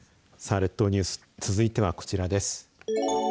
列島ニュース続いては、こちらです。